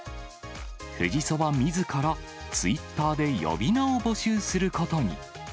富士そばみずから、ツイッターで呼び名を募集することに。